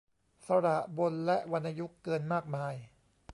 สระบนและวรรณยุกต์เกินมากมาย